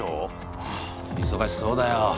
あっ忙しそうだよ。